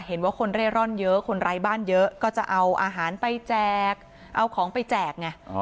เห็นว่าคนเร่ร่อนเยอะคนไร้บ้านเยอะก็จะเอาอาหารไปแจกเอาของไปแจกไง